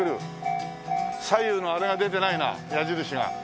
左右のあれが出てないな矢印が。